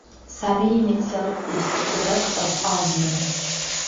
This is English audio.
Sabine itself is to the west of Aldrin.